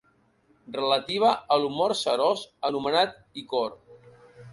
Relativa a l'humor serós anomenat icor.